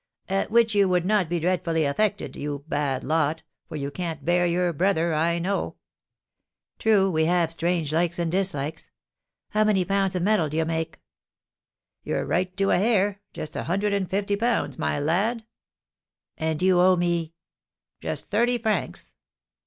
"At which you would not be dreadfully affected, you bad lot, for you can't bear your brother, I know." "True; we have strange likes and dislikes. How many pounds of metal d'ye make?" "You're right to a hair, just a hundred and fifty pounds, my lad." "And you owe me " "Just thirty francs."